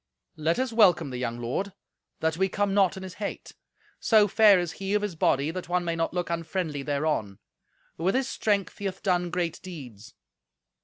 "Let us welcome the young lord, that we come not in his hate. So fair is he of his body that one may not look unfriendly thereon; with his strength he hath done great deeds."